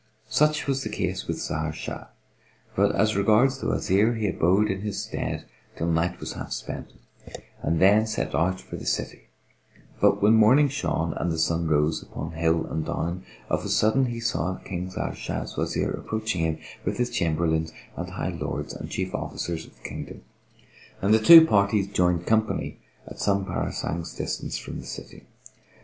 Such was the case with Zahr Shah; but as regards the Wazir he abode in his stead till night was half spent[FN#463] and then set out for the city; but when morning shone and the sun rose upon hill and down, of a sudden he saw King Zahr Shah's Wazir approaching him, with his Chamberlains and high Lords and Chief Officers of the kingdom; and the two parties joined company at some parasangs' distance from the city.